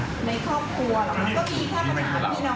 ก็มีค่าปัญหาพี่น้องแค่นั้นเอง